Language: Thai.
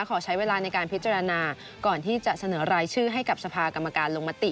ขอใช้เวลาในการพิจารณาก่อนที่จะเสนอรายชื่อให้กับสภากรรมการลงมติ